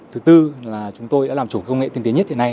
thứ tư là chúng tôi đã làm chủ công nghệ tiên tiến nhất hiện nay